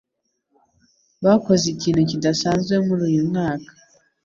Bakoze ikintu kidasanzwe muri uyu mwaka